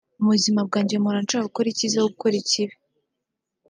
Mu buzima bwanjye mpora nshaka gukora icyiza aho gukora ikibi